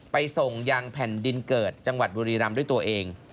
ไปส่งยังแผ่นดินเกิดจังหวัดบุรีรำด้วยตัวเอง